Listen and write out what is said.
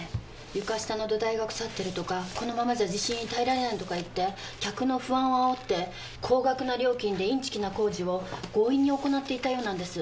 床下の土台が腐ってるとかこのままじゃ地震に耐えられないとか言って客の不安を煽って高額な料金でインチキな工事を強引に行っていたようなんです。